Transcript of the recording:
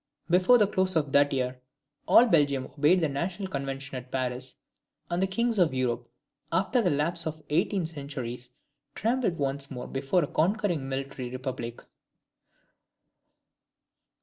Before the close of that year, all Belgium obeyed the National Convention at Paris, and the kings of Europe, after the lapse of eighteen centuries, trembled once more before a conquering military Republic.